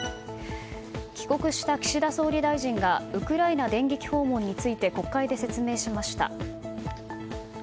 帰国した岸田総理大臣がウクライナ電撃訪問について国会で説明しました。